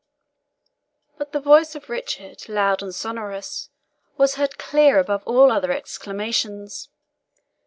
But the voice of Richard, loud and sonorous, was heard clear above all other exclamations.